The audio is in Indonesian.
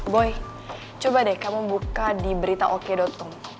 boy coba deh kamu buka di berita oke com